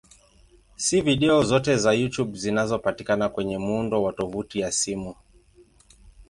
Si video zote za YouTube zinazopatikana kwenye muundo wa tovuti ya simu.